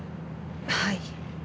はい。